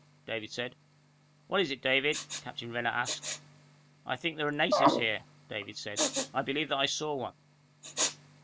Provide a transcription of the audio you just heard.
David said. "What is it, David?" Captain Renner asked. "I think there are natives here," David said. "I believe that I saw one."